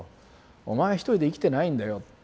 お前一人で生きてないんだよって。